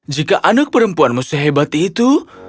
jika anak perempuanmu sehebat itu